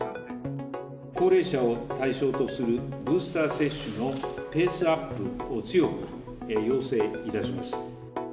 高齢者を対象とするブースター接種のペースアップを強く要請いたします。